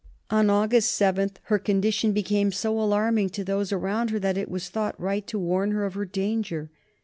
On August 7 her condition became so alarming to those around her that it was thought right to warn her of her danger.